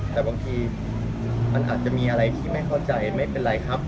แต่บางทีมันอาจจะมีอะไรที่ไม่เข้าใจไม่เป็นไรครับ